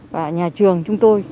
và nhà trường chúng tôi